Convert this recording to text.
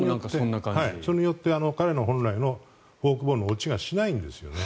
それによって彼の本来のフォークボールの落ちがしないんですね。